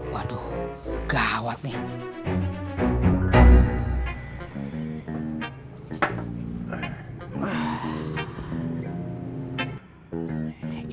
waduh gawat nih